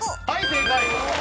正解。